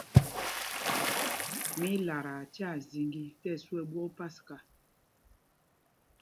Mí í lataa tyaa zīŋgī tí ɛsu ɛ ɓwok paska.